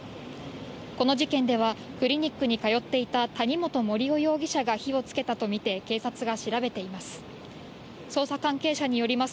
この事件ではクリニックに通っていた谷本盛雄容疑者が火をつけたとみて、警察が調べています。